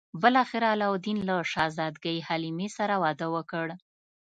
بالاخره علاوالدین له شهزادګۍ حلیمې سره واده وکړ.